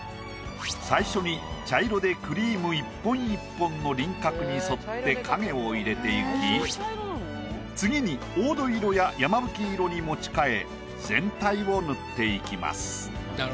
最初に茶色でクリーム１本１本の輪郭に沿って影を入れていき次に黄土色ややまぶき色に持ち替え全体を塗っていきます。